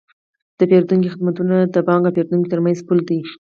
د پیرودونکو خدمتونه د بانک او پیرودونکي ترمنځ پل دی۔